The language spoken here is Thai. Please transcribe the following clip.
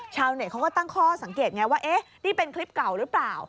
ชาวเน็ตเขาก็ตั้งข้อสังเกตไงว่าเอ๊ะนี่เป็นคลิปเก่าหรือเปล่า